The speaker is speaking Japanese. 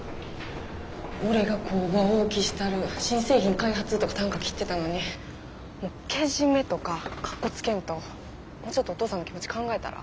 「俺が工場大きしたる新製品開発」とかたんか切ってたのにけじめとかかっこつけんともうちょっとお父さんの気持ち考えたら？